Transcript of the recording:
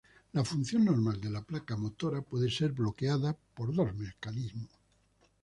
La función normal de la placa motora puede ser bloqueada por dos mecanismos.